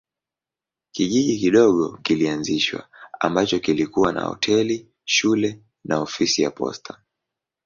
Kijiji kidogo kilianzishwa ambacho kilikuwa na hoteli, shule na ofisi ya posta.